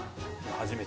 初めて。